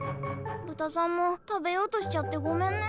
豚さんも食べようとしちゃってごめんね。